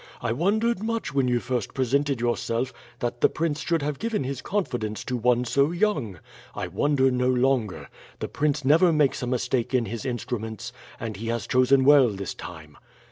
I wondered much when you first presented yourself that the prince should have given his confidence to one so young. I wonder no longer. The prince never makes a mistake in his instruments, and he has chosen well this time.